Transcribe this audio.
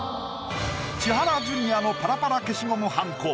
千原ジュニアのパラパラ消しゴムはんこ。